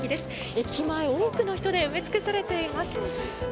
駅前、多くの人で埋め尽くされています。